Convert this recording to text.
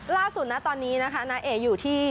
ล่าสุดนะตอนนี้นะคะนาเออยู่ที่